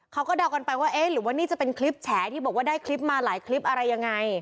เดากันไปว่าเอ๊ะหรือว่านี่จะเป็นคลิปแฉที่บอกว่าได้คลิปมาหลายคลิปอะไรยังไง